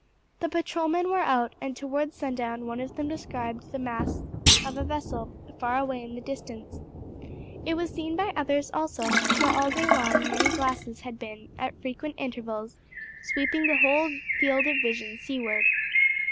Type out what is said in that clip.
The patrolmen were out, and toward sundown one of them descried the masts of a vessel far away in the distance. It was seen by others also, for all day long many glasses had been, at frequent intervals, sweeping the whole field of vision seaward.